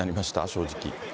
正直。